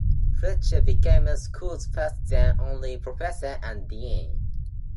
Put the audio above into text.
Fletcher became the school's first-then only-professor and dean.